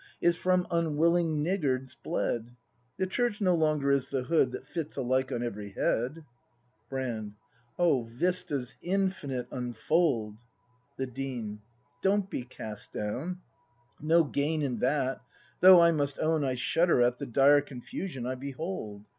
Is from unwilling niggards bled; The Church no longer is the hood That fits alike on every head. Brand. O, vistas infinite unfold! The Dean. Don't be cast down; no gain in that; Though I must own I shudder at The dire confusion I behold.